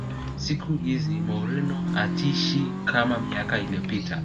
siku hizi mourinho hatishi kama miaka iliyopita